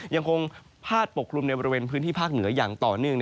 ยังคงพาดปกคลุมในบริเวณพื้นที่ภาคเหนืออย่างต่อเนื่อง